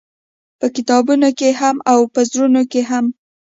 په کتابونو کښې هم او په زړونو کښې هم-